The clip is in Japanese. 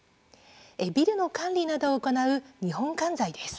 ビルの管理などを行う日本管財です。